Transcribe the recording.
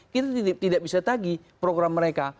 kita tidak bisa tagi program mereka